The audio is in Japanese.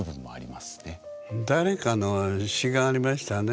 誰かの詩がありましたね。